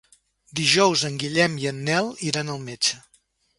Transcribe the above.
Dijous en Guillem i en Nel iran al metge.